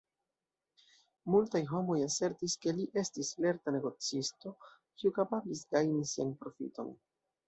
Multaj homoj asertis, ke li estis lerta negocisto, kiu kapablis gajni sian profiton.